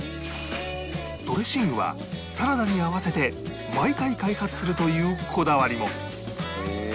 ドレッシングはサラダに合わせて毎回開発するというこだわりも